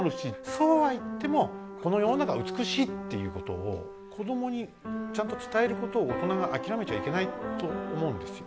そうは言ってもこの世の中は美しいっていうことを子どもにちゃんと伝えることを大人が諦めちゃいけないと思うんですよ。